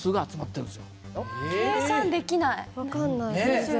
分かんない全然。